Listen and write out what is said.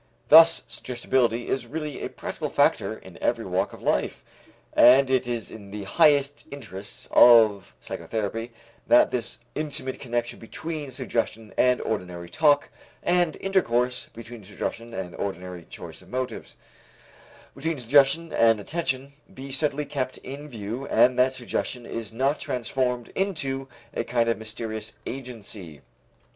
Thus suggestibility is really a practical factor in every walk of life. And it is in the highest interests of psychotherapy that this intimate connection between suggestion and ordinary talk and intercourse, between suggestion and ordinary choice of motives, between suggestion and attention be steadily kept in view and that suggestion is not transformed into a kind of mysterious agency.